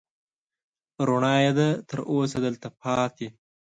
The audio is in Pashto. رڼايي يې ده، تر اوسه دلته پاتې